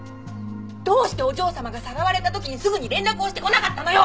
どうしてお嬢様がさらわれた時にすぐに連絡をしてこなかったのよ！